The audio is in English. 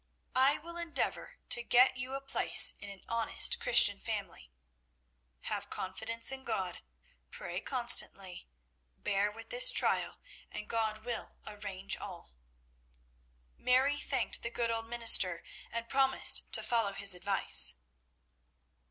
I will endeavour to get you a place in an honest Christian family. Have confidence in God; pray constantly, bear with this trial, and God will arrange all." Mary thanked the good old minister and promised to follow his advice.